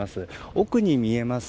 奥に見えます